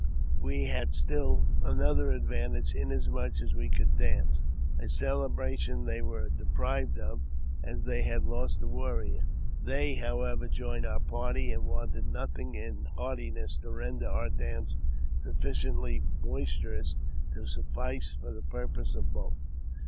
We had still another advantage, inasmuch as we could dance, a celebration they were deprived of, as they had lost a warrior ; they, however, joined our party, and wanted nothing in heartiness to render our dance sufficiently boisterous to suffice for the purpose of both.